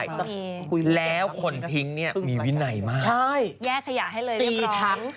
ใช่แล้วผ่อนพิงเนี่ยมีวินัยมากเก็บ๘ทั้ง